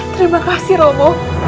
terima kasih romo